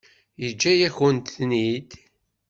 Yeǧǧa-yakent-ten-id.